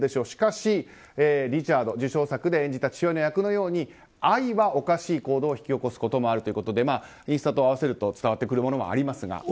しかしリチャード受賞作で演じた父親の役のように愛はおかしい行動を引き起こすこともあるということでインスタと合わせると伝わってくるものもありますが。